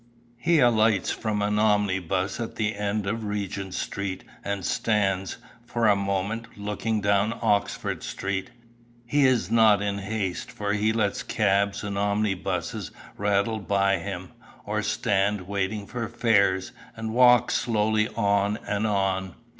He alights from an omnibus at the end of Regent Street, and stands, for a moment, looking down Oxford Street. He is not in haste, for he lets cabs and omnibuses rattle by him, or stand, waiting for fares, and walks slowly on and on.